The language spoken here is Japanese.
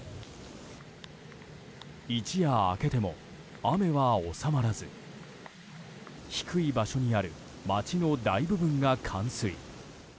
一夜明けても雨は収まらず低い場所にある街の大部分が冠水。